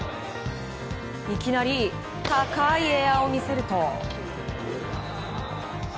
いきなり高いエアを見せると。